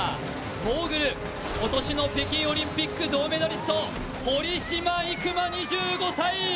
モーグル、今年の北京オリンピック銅メダリスト、堀島行真２５歳。